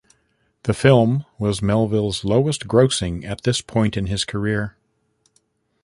The film was Melville's lowest grossing at this point in his career.